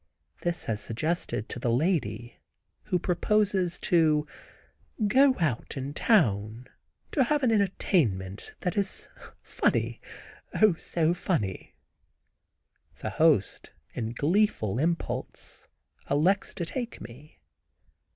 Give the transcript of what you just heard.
This has suggested to the lady, who proposes to "go out in town to an entertainment that is funny, oh, so funny." The host, in gleesome impulse, elects to take me.